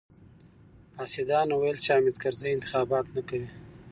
حاسدانو ويل چې حامد کرزی انتخابات نه کوي.